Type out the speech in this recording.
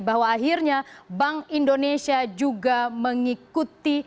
bahwa akhirnya bank indonesia juga mengikuti